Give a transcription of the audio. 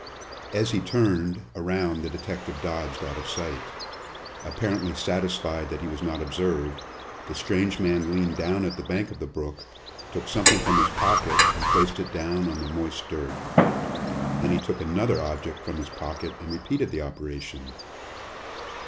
As he turned around the detective dodged out of sight. Apparently satisfied that he was not observed, the strange man leaned down at the bank of the brook, took something from his pocket and placed it down on the moist dirt. Then he took another object from his pocket and repeated the operation.